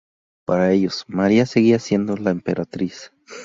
Para ellos, María seguía siendo la emperatriz.